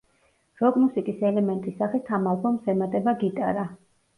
როკ-მუსიკის ელემენტის სახით ამ ალბომს ემატება გიტარა.